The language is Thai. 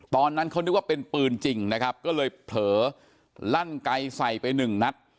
ตอนนั้นเขานึกว่าเป็นปืนจริงนะครับก็เลยเผลอลั่นไกลใส่ไปหนึ่งนัด